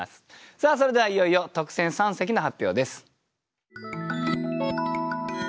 さあそれではいよいよ特選三席の発表です。